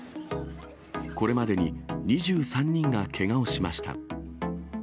これまでに２３人がけがをしました。